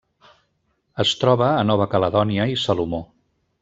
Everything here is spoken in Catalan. Es troba a Nova Caledònia i Salomó.